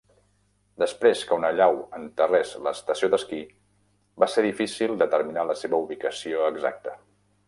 Després que un allau enterrés l'estació d'esquí, va ser difícil determinar la seva ubicació exacta.